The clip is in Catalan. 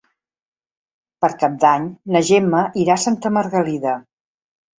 Per Cap d'Any na Gemma irà a Santa Margalida.